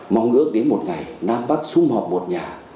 mong ước đến một ngày nam bắc xung họp một nhà